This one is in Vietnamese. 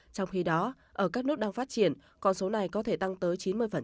trong khi đó ở các nước đang phát triển con số này có thể tăng tới chín mươi